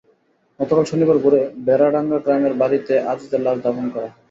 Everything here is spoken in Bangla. গতকাল শনিবার ভোরে বেড়াডাঙ্গা গ্রামের বাড়িতে আজিজের লাশ দাফন করা হয়।